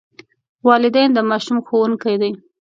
والدین د ماشوم ښوونکي دي.